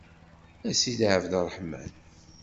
A Sidi Ɛebderreḥman.